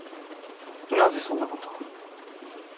なぜそんな事を？